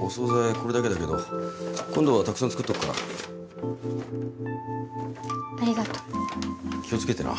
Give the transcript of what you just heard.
これだけだけど今度はたくさん作っとくからありがと気をつけてな